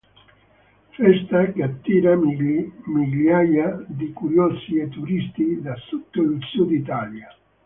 Festa che attira migliaia di curiosi e turisti da tutto il Sud Italia.